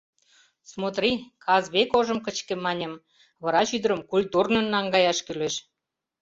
— Смотри, Казбек ожым кычке, — маньым, — врач ӱдырым культурнын наҥгаяш кӱлеш.